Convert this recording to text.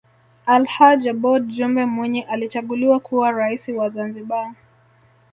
alhaj aboud jumbe mwinyi alichaguliwa kuwa raisi wa zanzibar